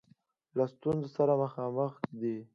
له ستونزه سره مخامخ دی.